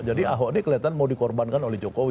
jadi ahok ini kelihatan mau dikorbankan oleh jokowi